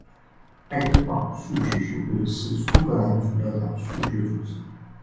爱丁堡数学学会是苏格兰主要的数学组织。